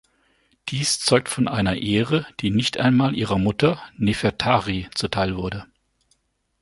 Dies zeugt von einer Ehre, die nicht einmal ihrer Mutter Nefertari zuteilwurde.